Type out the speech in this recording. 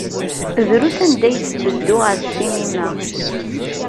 Drus anda ay tetteddu ɣer ssinima.